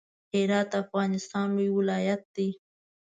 هرات د افغانستان لوی ولایت دی.